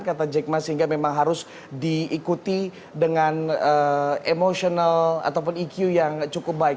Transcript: kata jack ma sehingga memang harus diikuti dengan emotional ataupun eq yang cukup baik